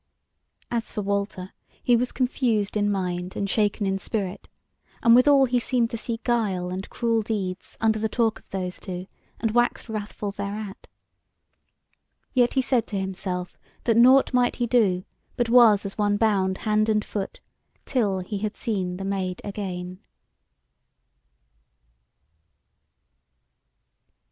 As for Walter, he was confused in mind and shaken in spirit; and withal he seemed to see guile and cruel deeds under the talk of those two, and waxed wrathful thereat. Yet he said to himself, that nought might he do, but was as one bound hand and foot, till he had seen the Maid again.